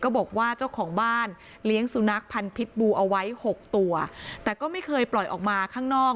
บอกว่าเจ้าของบ้านเลี้ยงสุนัขพันธ์พิษบูเอาไว้หกตัวแต่ก็ไม่เคยปล่อยออกมาข้างนอก